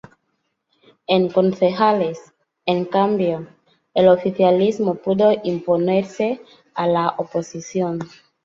En concejales, en cambio, el oficialismo pudo imponerse a la oposición.